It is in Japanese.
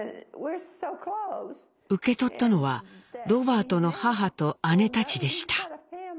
受け取ったのはロバートの母と姉たちでした。